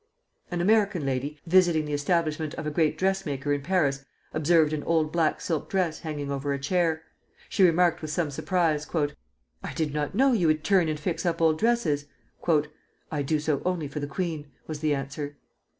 An American lady, visiting the establishment of a great dressmaker in Paris, observed an old black silk dress hanging over a chair. She remarked with some surprise: "I did not know you would turn and fix up old dresses." "I do so only for the queen," was the answer.